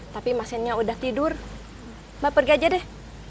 tapi pasiennya udah tidur mbak pergi aja deh